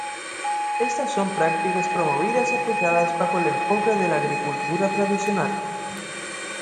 Estas son prácticas promovidas y aplicadas bajo el enfoque de la agricultura tradicional.